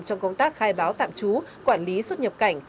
trong công tác khai báo tạm trú quản lý xuất nhập cảnh